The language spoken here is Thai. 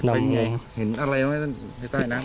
ทำไมทางไปน่ะ